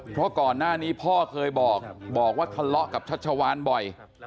เพราะก่อนหน้านี้พ่อเคยบอกบอกว่าทะเลาะกับชัชวานบ่อย